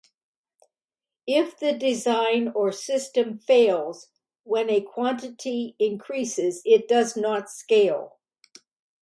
If the design or system fails when a quantity increases, it "does not scale".